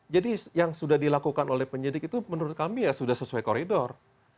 jadi yang sudah dilakukan oleh penyidik itu menurut kami ya sudah sesuai koridor